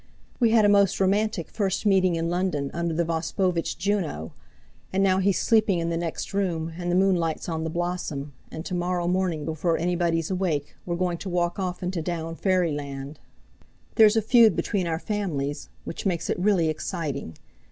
We had a most romantic first meeting in London under the Vospovitch Juno. And now he's sleeping in the next room and the moonlight's on the blossom; and to morrow morning, before anybody's awake, we're going to walk off into Down fairyland. There's a feud between our families, which makes it really exciting.